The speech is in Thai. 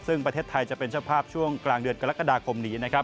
ซึ่งประเทศไทยจะเป็นเจ้าภาพช่วงกลางเดือนกรกฎาคมนี้นะครับ